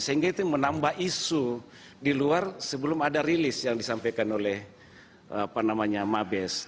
sehingga itu menambah isu di luar sebelum ada rilis yang disampaikan oleh mabes